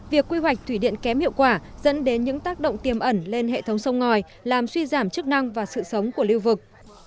việc quy hoạch thủy điện kém hiệu quả dẫn đến những tác động tiềm ẩn lên hệ thống sông ngòi làm suy giảm chức năng và sự sống của lưu vực